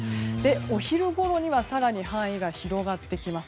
お昼ごろには更に範囲が広がってきます。